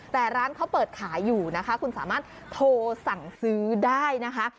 แต่ร้านเขาเปิดขายอยู่นะคะคุณสามารถโทรสั่งซื้อได้นะคะ